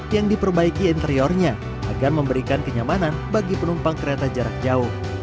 yang diperbaiki interiornya agar memberikan kenyamanan bagi penumpang kereta jarak jauh